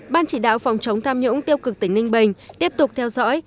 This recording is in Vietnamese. ban chỉ đạo phòng chống tham nhũng tiêu cực tỉnh ninh bình tiếp tục theo dõi